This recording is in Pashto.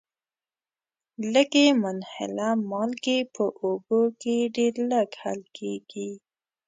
لږي منحله مالګې په اوبو کې ډیر لږ حل کیږي.